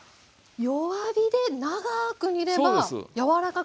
弱火で長く煮れば柔らかくなるんですね。